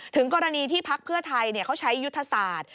ถึงกรณีที่พักเพื่อไทยเขาใช้ยุทธศาสตร์